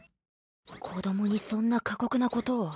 子供にそんな過酷な事を。